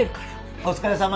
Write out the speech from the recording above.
お疲れさま。